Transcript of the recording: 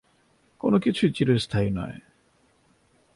কোনকিছুই চিরস্থায়ী নয়।